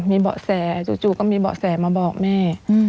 มีเบาะแสจู่ก็มีเบาะแสมาบอกแม่